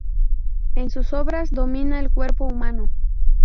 En sus obras domina el cuerpo humano.